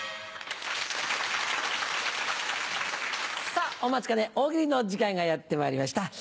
さぁお待ちかね大喜利の時間がやってまいりました。